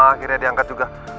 akhirnya diangkat juga